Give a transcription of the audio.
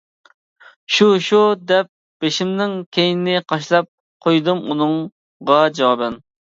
-شۇ. شۇ. ، -دەپ بېشىمنىڭ كەينىنى قاشلاپ قويدۇم ئۇنىڭغا جاۋابەن.